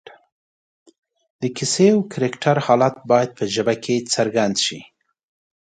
د کیسې او کرکټر حالت باید په ژبه کې څرګند شي